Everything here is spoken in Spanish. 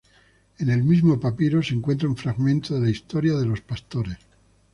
En el mismo papiro se encuentra un fragmento de la "Historia de pastores".